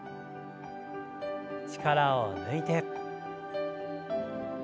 力を抜いて。